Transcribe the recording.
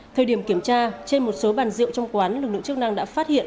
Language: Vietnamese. thời điểm kiểm tra trên một số bàn rượu trong quán lực lượng chức năng đã phát hiện